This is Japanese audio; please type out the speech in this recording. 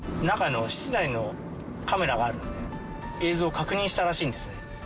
中の室内のカメラはあるんで映像を確認したらしいんですね。